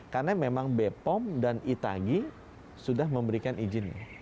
karena memang bpom dan itagi sudah memberikan izin